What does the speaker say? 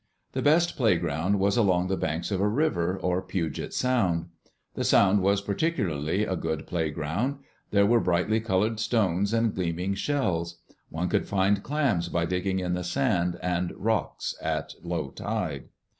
The best playground was along the banks of a river, or Puget Sound. The Sound was particularly a good play ground. There were brightly colored stones, and gleaming shells. One could find clams by digging in the sand and rocks at low tide.